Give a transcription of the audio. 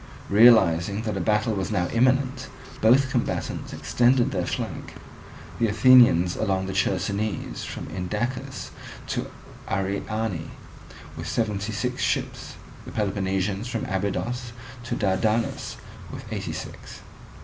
Realizing that a battle was now imminent, both combatants extended their flank; the Athenians along the Chersonese from Idacus to Arrhiani with seventy six ships; the Peloponnesians from Abydos to Dardanus with eighty six.